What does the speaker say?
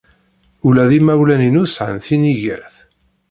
Ula d imawlan-inu sɛan tinigert.